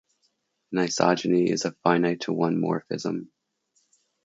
An isogeny is a finite-to-one morphism.